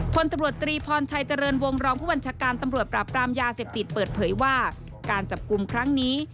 พลตำรวจตรีพรชัยเจริญวงรองผู้บัญชาการตำรวจปราบปรามยาเสพติดเปิดเผยว่าการจับกลุ่มครั้งนี้